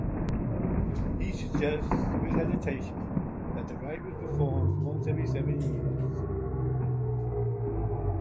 He suggests with hesitation that the rite was performed once every seven years.